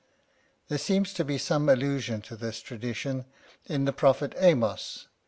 There seems to be some allusion to this tradition in the Prophet Amos (ii.